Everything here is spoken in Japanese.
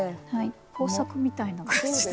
工作みたいな感じで。